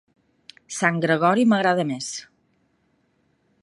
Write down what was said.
Sant Gregori m'agrada més.